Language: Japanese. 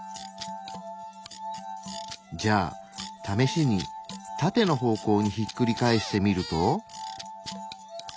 じゃあ試しにタテの方向にひっくり返してみると。